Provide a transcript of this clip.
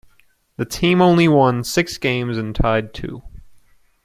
The team only won six games and tied two.